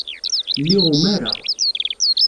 Lliɣ umareɣ.